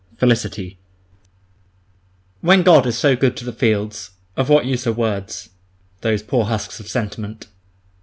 1912. FELICITY When God is so good to the fields, of what use are words—those poor husks of sentiment!